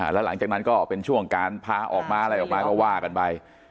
แล้วหลังจากนั้นก็เป็นช่วงการพาออกมาอะไรออกมาก็ว่ากันไป